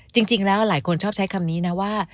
จริงแล้วหลายคนชอบใช้คำนี้นะว่า